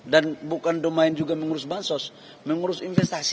dan bukan domain juga mengurus bahan sos mengurus investasi